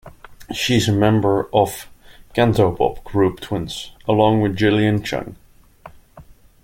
She is a member of Cantopop group Twins, along with Gillian Chung.